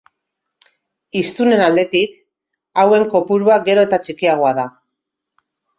Hiztunen aldetik, hauen kopurua gero eta txikiagoa da.